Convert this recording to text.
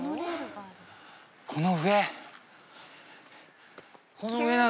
この上？